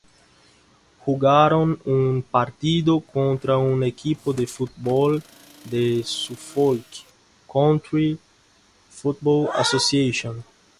Jugaron un partido contra un equipo de fútbol de Suffolk, County Football Association.